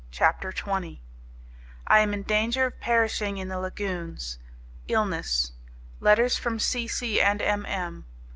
CHAPTER XX I Am in Danger of Perishing in the Lagunes Illness Letters from C. C. and M. M.